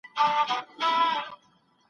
ته باید خپله وینا په پوره قاطعیت سره ثابته کړې.